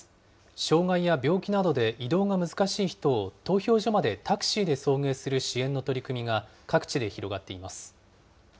障害や病気などで移動が難しい人を投票所までタクシーで送迎する支援の取り組みが、各地で広がっています。